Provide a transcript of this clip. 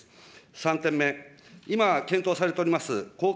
３点目、今検討されております